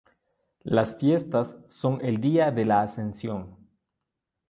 Las fiestas son el día de la Ascensión.